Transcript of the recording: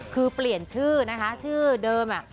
คือเปลี่ยนชื่อนะคะชื่อเดิม